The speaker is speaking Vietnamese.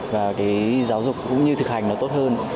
và cái giáo dục cũng như thực hành nó tốt hơn